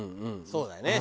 そうだよね。